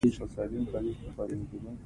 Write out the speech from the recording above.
په ویبسایټونو کې مې معلومات لټول.